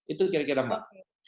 itu kira kira mbak